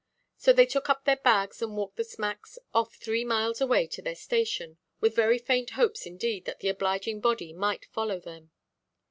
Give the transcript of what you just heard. So they took up their bags, and walked the smacks off three miles away to their station, with very faint hopes indeed that the obliging body might follow them.